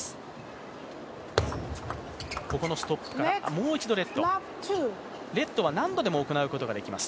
もう一度レット、レットは何度でも行うことができます。